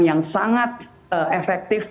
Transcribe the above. yang sangat efektif